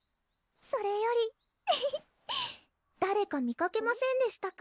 それよりフフッ「誰か見かけませんでしたか？」